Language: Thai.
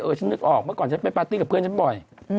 ฉันนึกออกเมื่อก่อนฉันไปปาร์ตี้กับเพื่อนฉันบ่อย